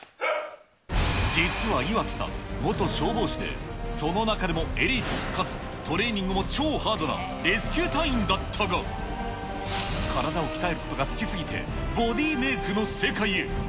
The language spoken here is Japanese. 実は岩城さん、元消防士で、その中でもエリートかつトレーニングも超ハードなレスキュー隊員だったが、体を鍛えることが好きすぎて、ボディメークの世界へ。